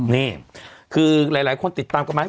นี่คือหลายคนติดตามกันไหม